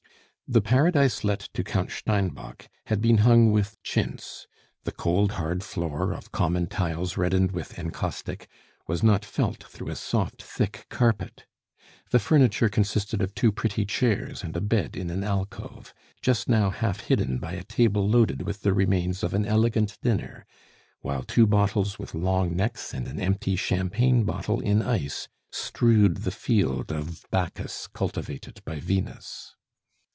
The paradise let to Count Steinbock had been hung with chintz; the cold, hard floor, of common tiles reddened with encaustic, was not felt through a soft thick carpet. The furniture consisted of two pretty chairs and a bed in an alcove, just now half hidden by a table loaded with the remains of an elegant dinner, while two bottles with long necks and an empty champagne bottle in ice strewed the field of bacchus cultivated by Venus.